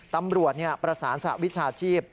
ตำรวจประสานสหวิชาชีพ